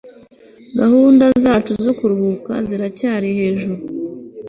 gahunda zacu zo kuruhuka ziracyari hejuru